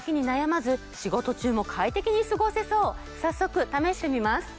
早速試してみます。